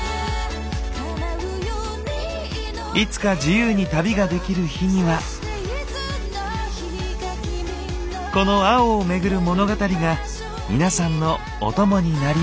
いつか自由に旅ができる日にはこの青をめぐる物語が皆さんのお供になりますように。